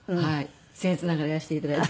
僭越ながらやらせて頂いて。